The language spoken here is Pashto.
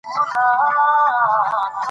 ولایتونه د افغانستان په اوږده تاریخ کې دي.